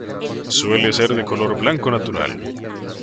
Suele ser de color blanco natural.